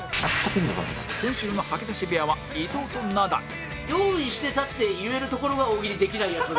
今週の吐き出し部屋は伊藤とナダル用意してたって言えるところが大喜利できないヤツ。